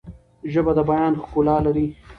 ژبه د بیان ښکلا لري.